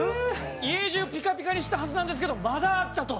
家中ピカピカにしたはずなんですけどまだあったと。